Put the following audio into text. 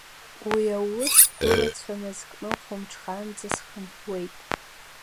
Уи аус сгәылацәа назкны, хәымҽханӡа схынҳәуеит.